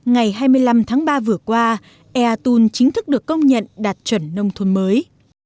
ngày hai mươi năm tháng ba vừa qua ea tôn chính thức được công nhận đạt chuẩn nông thôn mới